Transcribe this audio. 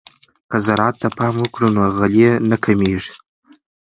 که زراعت ته پام وکړو نو غلې نه کمیږي.